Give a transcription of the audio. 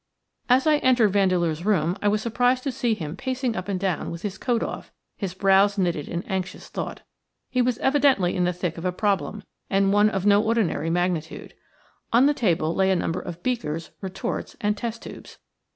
As I entered Vandeleur's room I was surprised to see him pacing up and down with his coat off, his brows knitted in anxious thought, He was evidently in the thick of a problem, and one of no ordinary magnitude. On the table lay a number of beakers, retorts, and test tubes.